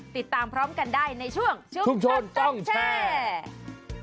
ติดตามพร้อมกันได้ในช่วงชุมชนต้องแชร์